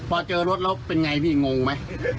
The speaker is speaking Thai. พอเจอรถแล้วเป็นไงพี่งงไหม